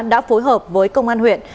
đã phối hợp với công an huyện